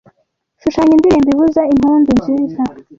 Shushanya indirimbo ivuza impundu nziza